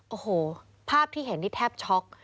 โอ้โหภาพที่เห็นนี่แทบช็อก